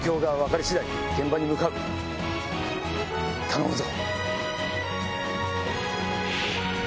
頼むぞ！